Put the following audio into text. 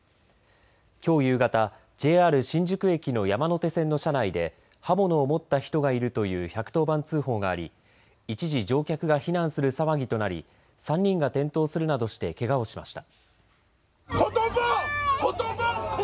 きょう夕方、ＪＲ新宿駅の山手線の車内で刃物を持った人がいるという１１０番通報があり一時乗客が避難する騒ぎとなり３人が転倒するなどしてけがをしました。